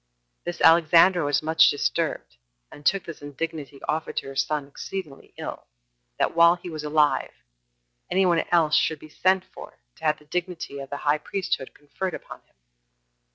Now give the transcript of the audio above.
This Alexandra was much disturbed, and took this indignity offered to her son exceeding ill, that while he was alive, any one else should be sent for to have the dignity of the high priesthood conferred upon him.